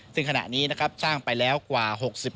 ซึ่งขณะนี้สร้างไปแล้วกว่า๖๕